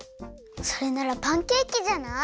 それならパンケーキじゃない？